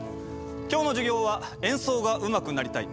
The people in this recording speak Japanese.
今日の授業は演奏がうまくなりたい